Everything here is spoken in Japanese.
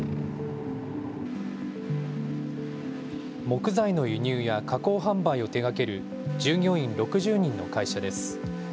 木材の輸入や加工販売を手がける従業員６０人の会社です。